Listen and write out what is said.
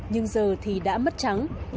nhưng giờ thì đã mất trắng